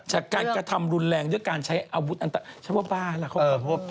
จากการกระทำรุนแรงด้วยการใช้อาวุธอันตรายฉันว่าบ้าล่ะเขาขอโทษ